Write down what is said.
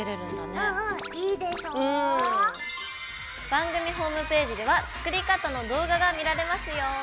番組ホームページでは作り方の動画が見られますよ。